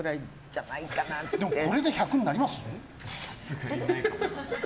でもこれで１００になります？